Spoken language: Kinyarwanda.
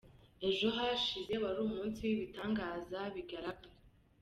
Eejo hashize wari umunsi w’ibitangaza bigaragara.